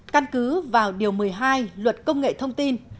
căn cứ vào điều một mươi hai luật công nghệ thông tin